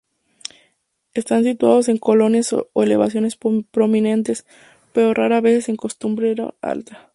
Están situados en colinas o elevaciones prominentes, pero raras veces en cumbres altas.